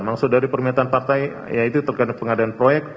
maksud dari permintaan partai yaitu terkait pengadaan proyek